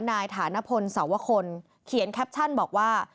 ฐานพลสวคลเขียนแคปชั่นบอกว่า